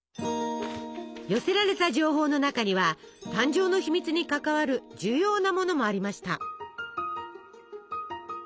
寄せられた情報の中には誕生の秘密に関わる重要なものもありました。